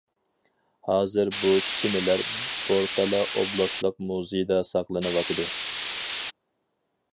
ھازىر بۇ چىنىلەر بورتالا ئوبلاستلىق مۇزېيدا ساقلىنىۋاتىدۇ.